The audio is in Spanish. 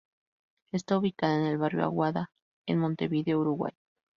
Está ubicada en el Barrio Aguada en Montevideo, Uruguay.